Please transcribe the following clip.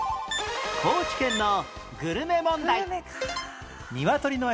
高知県のグルメ問題